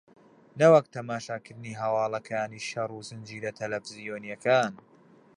نەوەک تەماشاکردنی هەواڵەکانی شەڕ و زنجیرە تەلەفزیۆنییەکان